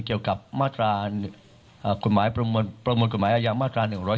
เกี่ยวกับมาตราอ่ากฎหมายประมวลกฎหมายอาญามาตราหนึ่งร้อย